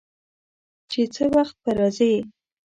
چې څه وخت به راځي.